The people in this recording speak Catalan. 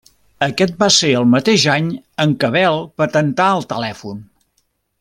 Aquest va ser el mateix any en què Bell patentar el telèfon.